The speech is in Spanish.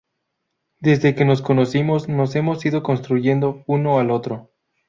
Desde que nos conocimos nos hemos ido construyendo uno al otro.